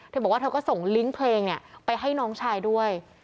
เธอบอกว่าเธอก็ส่งลิงก์เพลงไปให้น้องชายด้วย